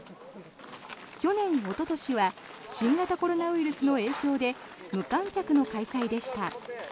去年、おととしは新型コロナウイルスの影響で無観客の開催でした。